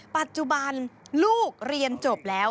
ปัจจุบันลูกเรียนจบแล้ว